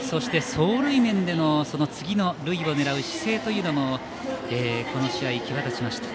走塁面での次の塁を狙う姿勢というのもこの試合、際立ちました。